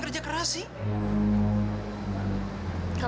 terima kasih pak